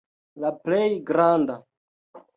La plej granda.